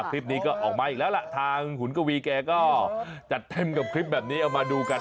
คลิปนี้ก็ออกมาอีกแล้วล่ะทางขุนกวีแกก็จัดเต็มกับคลิปแบบนี้เอามาดูกัน